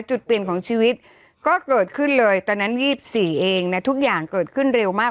จุดเปลี่ยนของชีวิตก็เกิดขึ้นเลยตอนนั้น๒๔เองนะทุกอย่างเกิดขึ้นเร็วมาก